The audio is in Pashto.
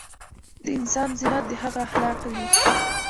دانسان زينت دهغه اخلاق دي